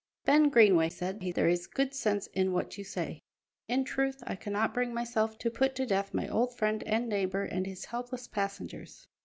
"Ben Greenway," said he, "there is good sense in what you say. In truth, I cannot bring myself to put to death my old friend and neighbour and his helpless passengers.